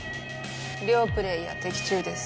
両プレーヤー的中です。